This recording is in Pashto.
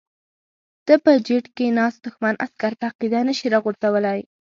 ته په جیټ کې ناست دښمن عسکر په عقیده نشې راغورځولی.